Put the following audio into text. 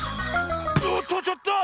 おっとちょっと！